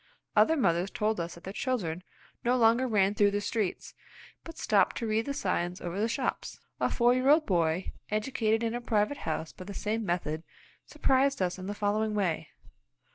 Other mothers told us that their children no longer ran through the streets, but stopped to read the signs over the shops. A four year old boy, educated in a private house by the same method, surprised us in the following way.